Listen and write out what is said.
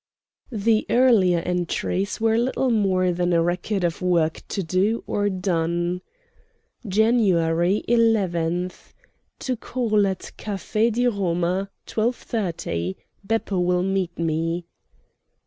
The earlier entries were little more than a record of work to do or done. "Jan. 11. To call at Café di Roma, 12.30. Beppo will meet me.